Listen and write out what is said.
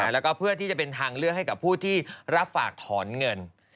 แล้วก็เพื่อที่จะเป็นทางเลือกให้กับผู้ที่รับฝากถอนเงิน